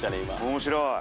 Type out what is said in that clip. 面白い。